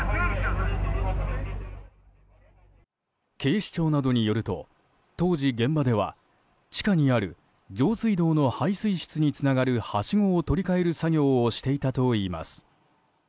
警視庁などによると当時、現場では地下にある上水道の排水室につながるはしごを取り換える作業をしていたといいます。